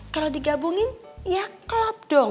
kalau digabungin ya klub dong